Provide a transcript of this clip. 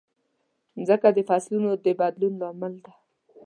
مځکه د فصلونو د بدلون لامل ده.